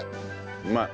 うまい。